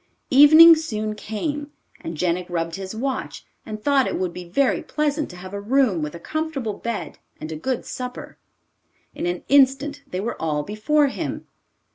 Evening soon came, and Jenik rubbed his watch, and thought it would be very pleasant to have a room with a comfortable bed and a good supper. In an instant they were all before him.